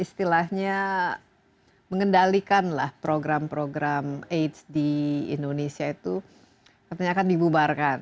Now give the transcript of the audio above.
istilahnya mengendalikanlah program program aids di indonesia itu katanya akan dibubarkan